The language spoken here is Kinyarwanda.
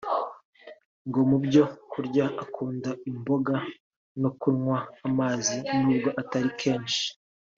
ngo mu byo kurya akunda imboga no kunywa amazi nubwo atari kenshi